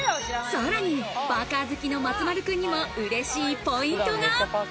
さらにパーカー好きの松丸君にも嬉しいポイントが。